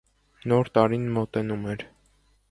Նոր տարին մոտենում էր.